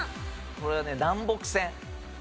これはね南北線。